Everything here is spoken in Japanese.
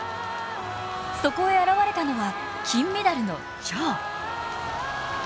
そこへ現れたのは金メダルの張。